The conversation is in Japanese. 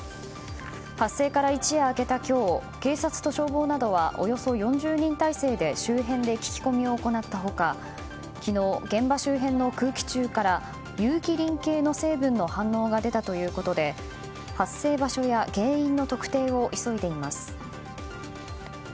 発生から一夜明けた今日警察と消防などはおよそ４０人態勢で周辺で聞き込みを行ったほか昨日、現場周辺の空気中から有機リン系の成分の反応が出たということで発生場所や原因の特定を急いでいます。